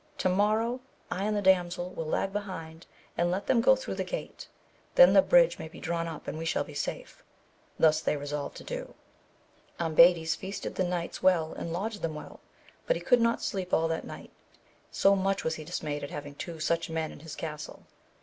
To morrow I and the damsel will lag behind, and let them go through the gate, then the bridge may be drawn up, and we shall be safe. Thus they resolved to do. Ambades feasted the knights well, and lodged them well, but he could not sleep all that night, so much was he dismayed at having two such men in his. castle.